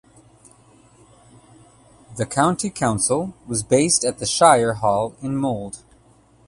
The county council was based at the Shire Hall in Mold.